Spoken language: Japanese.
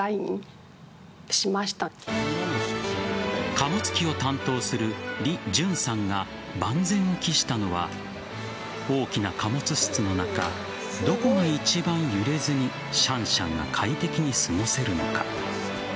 貨物機を担当するリ・ジュンさんが万全を期したのは大きな貨物室の中どこが一番揺れずにシャンシャンが快適に過ごせるのか。